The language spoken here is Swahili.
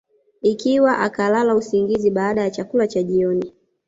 Ikiwa akalala usingizi baada ya chakula cha jioni